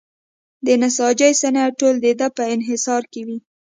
د نساجۍ صنعت ټول د ده په انحصار کې وي.